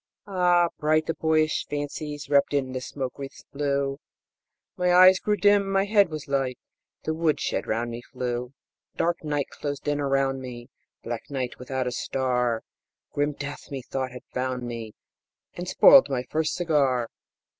Ah, bright the boyish fancies Wrapped in the smoke wreaths blue; My eyes grew dim, my head was light, The woodshed round me flew! Dark night closed in around me Black night, without a star Grim death methought had found me And spoiled my first cigar.